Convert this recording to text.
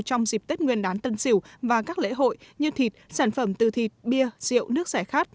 trong dịp tết nguyên đán tân sỉu và các lễ hội như thịt sản phẩm từ thịt bia rượu nước giải khát